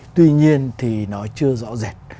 tuy nhiên thì nó chưa rõ rệt